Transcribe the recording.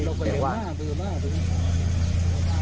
เจ้าหรือยังเจ้าหรือยัง